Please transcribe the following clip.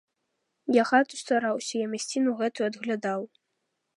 Я хату стараўся, я мясціну гэтую аглядаў!